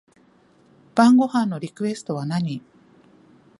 晩ご飯のリクエストは何